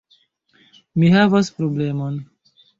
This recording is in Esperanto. Mi havas problemon!